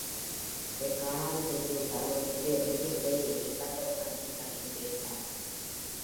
இதைக் காணாது திரும்பி விட்டால் ஒரு பெரிய புதையலையே இழந்தவர்கள் நீங்கள் என்பேன் நான்.